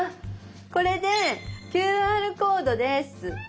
これで「ＱＲコード」です。